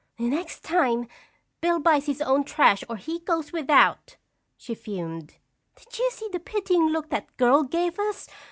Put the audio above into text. "The next time, Bill buys his own trash or he goes without!" she fumed. "Did you see the pitying look that girl gave us?